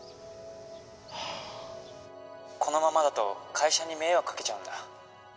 このままだと会社に迷惑かけちゃうんだ